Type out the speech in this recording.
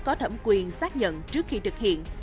có thẩm quyền xác nhận trước khi thực hiện